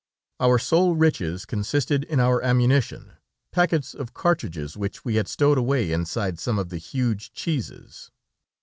Our sole riches consisted in our ammunition, packets of cartridges which we had stowed away inside some of the huge cheeses.